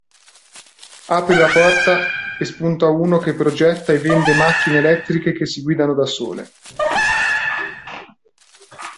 Apri la porta e spunta uno che progetta e vende macchine elettriche che si guidano da sole.